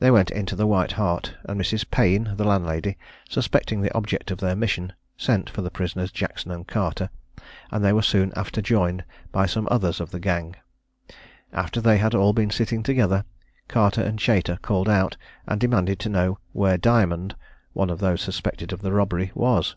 They went into the White Hart, and Mrs. Payne, the landlady, suspecting the object of their mission, sent for the prisoners Jackson and Carter, and they were soon after joined by some others of the gang. After they had been all sitting together, Carter called Chater out, and demanded to know where Diamond, one of those suspected of the robbery, was?